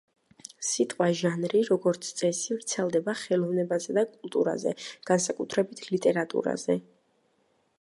სიტყვა „ჟანრი“, როგორც წესი, ვრცელდება ხელოვნებასა და კულტურაზე, განსაკუთრებით ლიტერატურაზე.